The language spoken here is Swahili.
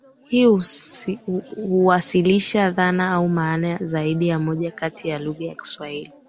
Hii huwasilisha dhana au maana zaidi ya moja katika lugha ya Kiswahili.